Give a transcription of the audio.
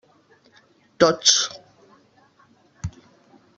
Tots.